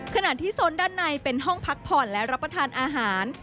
ขณะที่โซนด้านในเป็นห้องพักผ่อนและรับประทานอาหาร